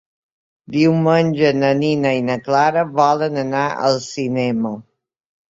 Diumenge na Nina i na Clara volen anar al cinema.